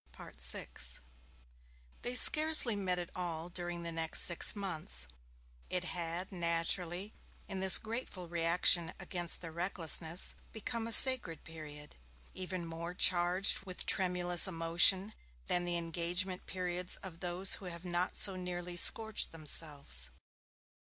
VI They scarcely met at all during the next six months it had, naturally, in this grateful reaction against their recklessness, become a sacred period, even more charged with tremulous emotion than the engagement periods of those who have not so nearly scorched themselves.